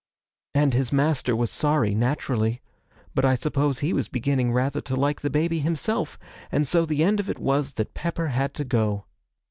'And his master was sorry, naturally; but I suppose he was beginning rather to like the baby himself, and so the end of it was that Pepper had to go.